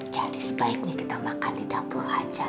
jadi sebaiknya kita makan di dapur aja